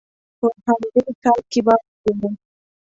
په همدې ښار کې به وګورې.